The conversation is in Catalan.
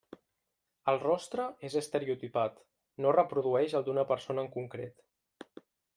El rostre és estereotipat, no reprodueix el d'una persona en concret.